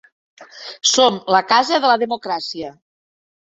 Som la casa de la democràcia.